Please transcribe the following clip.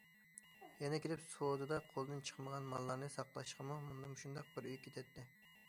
يەنە كېلىپ سودىدا قولدىن چىقمىغان ماللارنى ساقلاشقىمۇ مۇشۇنداق بىر ئۆي كېتەتتى.